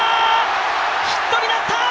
ヒットになった！